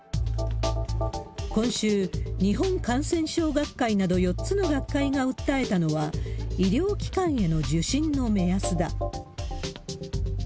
今週、日本感染症学会など４つの学会が訴えたのは、医療機関への受診の目安だ。